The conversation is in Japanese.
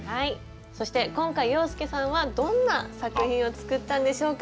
そして今回洋輔さんはどんな作品を作ったんでしょうか？